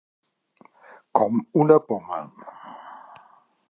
Com una poma.